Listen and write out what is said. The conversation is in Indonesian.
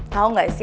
tau gak sih